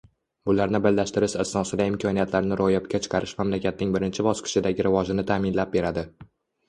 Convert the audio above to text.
bularni birlashtirish asnosida imkoniyatlarni ro‘yobga chiqarish mamlakatning birinchi bosqichdagi rivojini ta’minlab beradi.